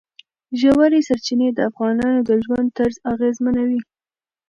ژورې سرچینې د افغانانو د ژوند طرز اغېزمنوي.